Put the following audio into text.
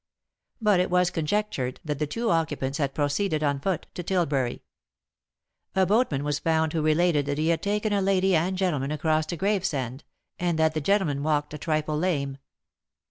But it was conjectured that the two occupants had proceeded on foot to Tilbury. A boatman was found who related that he had taken a lady and gentleman across to Gravesend, and that the gentleman walked a trifle lame.